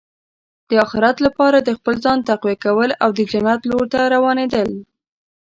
د اخرت لپاره د خپل ځان تقویه کول او د جنت لور ته روانېدل.